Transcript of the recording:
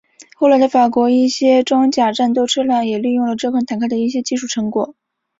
后来的法国一些装甲战斗车辆也利用了这款坦克的一些技术成果。